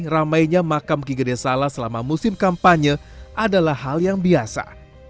ramainya makam kigede sala selama musim kampanye adalah hal yang biasa